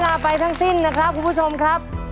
ลาไปทั้งสิ้นนะครับคุณผู้ชมครับ